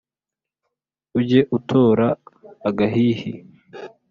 Ujye utora agahihi